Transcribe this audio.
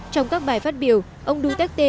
trong các bài phát biểu ông duterte